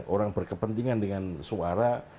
orang berkepentingan dengan suara